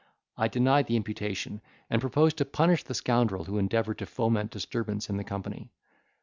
I denied the imputation, and proposed to punish the scoundrel who endeavoured to foment disturbance in the company.